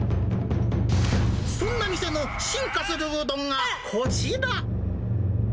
そんな店の進化するうどんがこちら。